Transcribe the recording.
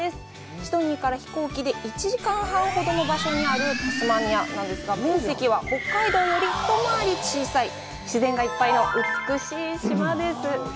シドニーから飛行機で１時間半ほどの場所にあるタスマニア、面積は北海道より一回り小さい自然がいっぱいの美しい島です。